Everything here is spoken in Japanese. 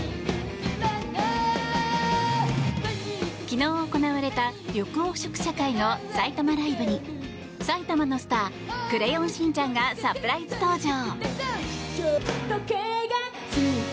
昨日行われた緑黄色社会の埼玉ライブに埼玉のスタークレヨンしんちゃんがサプライズ登場！